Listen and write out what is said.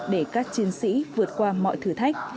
để các chiến sĩ vượt qua mọi thử thách